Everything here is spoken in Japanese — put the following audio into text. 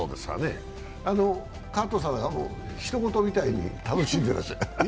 川藤さん、ひと事みたいに楽しんでらっしゃる。